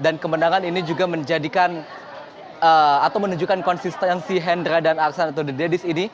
dan kemenangan ini juga menjadikan atau menunjukkan konsistensi hendra dan aksan atau the daddies ini